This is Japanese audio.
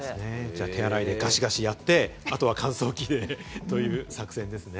手洗いでガシガシやって、あとは乾燥機でという作戦ですね。